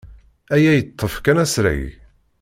Aya yeṭṭef kan asrag.